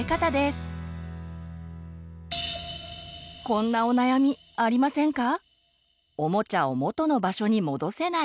こんなお悩みありませんか？